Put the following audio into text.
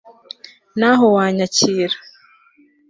naho wanyakira